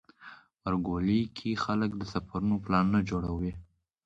غبرګولی کې خلک د سفرونو پلانونه جوړوي.